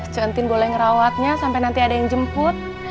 cu entin boleh ngerawatnya sampe nanti ada yang jemput